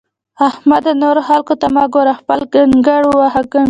احمده! نورو خلګو ته مه ګوره؛ خپل کنګړ وهه کنکړ!